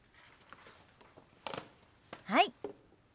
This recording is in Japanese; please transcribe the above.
はい。